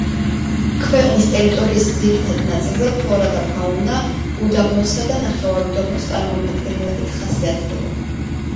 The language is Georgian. ქვეყნის ტერიტორიის ძირითად ნაწილზე ფლორა და ფაუნა უდაბნოსა და ნახევარუდაბნოს წარმომადგენლებით ხასიათდება.